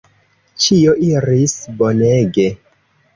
Ĉio iris bonege.